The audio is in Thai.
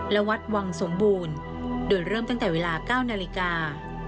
และวัดวังสมบูรณ์โดยเริ่มตั้งแต่เวลา๙นาฬิกา